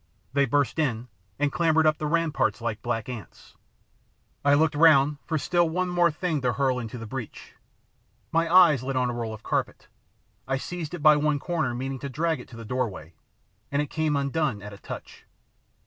They burst in and clambered up the rampart like black ants. I looked round for still one more thing to hurl into the breach. My eyes lit on a roll of carpet: I seized it by one corner meaning to drag it to the doorway, and it came undone at a touch.